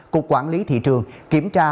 cục quản lý thị trường kiểm tra